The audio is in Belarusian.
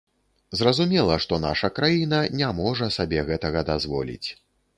Зразумела, што наша краіна не можа сабе гэтага дазволіць.